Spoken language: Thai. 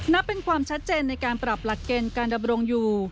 นับเป็นความชัดเจนในการปรับหลักเกณฑ์การดำรงอยู่